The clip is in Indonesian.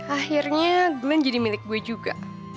akhirnya glenn jadi milik gue juga